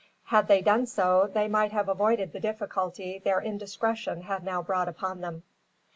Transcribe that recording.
Had they done so, they might have avoided the difficulty their indiscretion had now brought upon them.